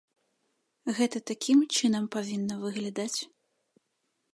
Гэта такім чынам павінна выглядаць?